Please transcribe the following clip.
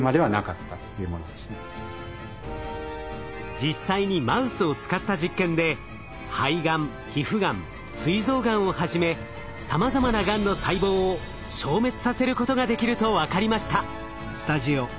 実際にマウスを使った実験で肺がん皮膚がんすい臓がんをはじめさまざまながんの細胞を消滅させることができると分かりました。